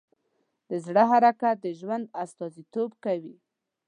د زړه حرکت د ژوند استازیتوب کوي.